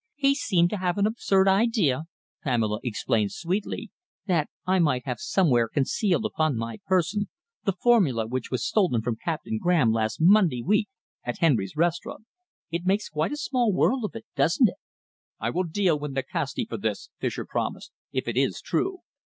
"He seemed to have an absurd idea," Pamela explained sweetly, "that I might have somewhere concealed upon my person the formula which was stolen from Captain Graham last Monday week at Henry's Restaurant. It makes quite a small world of it, doesn't it?" "I will deal with Nikasti for this," Fischer promised, "if it is true.